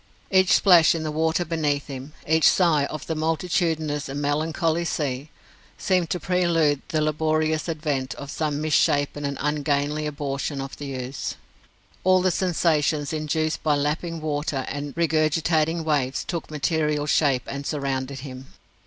Each splash in the water beneath him, each sigh of the multitudinous and melancholy sea, seemed to prelude the laborious advent of some mis shapen and ungainly abortion of the ooze. All the sensations induced by lapping water and regurgitating waves took material shape and surrounded him.